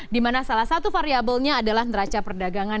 dimana salah satu variabelnya adalah neraca perdagangan